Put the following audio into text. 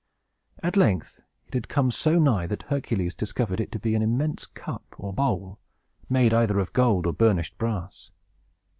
At length, it had come so nigh that Hercules discovered it to be an immense cup or bowl, made either of gold or burnished brass.